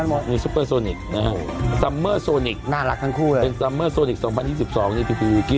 มีใช่ปะที่นี้๖๕